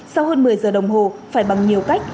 sau hơn một mươi giờ đồng hồ phải bằng nhiều cách